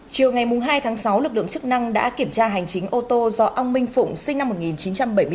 chiều ngày hai tháng sáu lực lượng chức năng đã kiểm tra hành chính ô tô do ông minh phụng sinh năm một nghìn chín trăm bảy mươi bốn